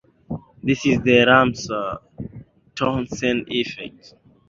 This is the Ramsauer-Townsend effect.